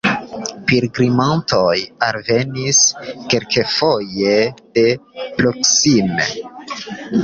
Pilgrimantoj alvenis, kelkfoje de proksime.